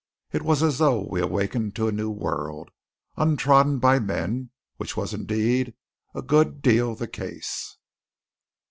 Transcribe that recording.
It was as though we awakened to a new world, untrodden by men; which was, indeed, a good deal the case.